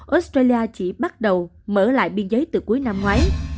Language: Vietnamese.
australia chỉ bắt đầu mở lại biên giới từ cuối năm ngoái